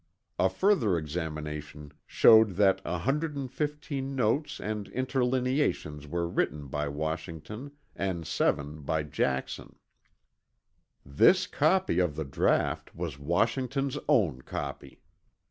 A further examination showed that 115 notes and interlineations were written by Washington and 7 by Jackson. _This copy of the draught was Washington's own copy!